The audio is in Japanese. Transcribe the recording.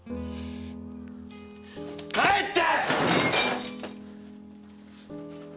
帰って！